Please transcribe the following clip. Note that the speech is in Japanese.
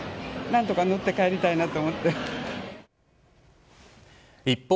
なんとか乗って帰りたいなと思って。